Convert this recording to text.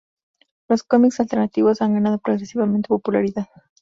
Los comics alternativos han ganado progresivamente popularidad.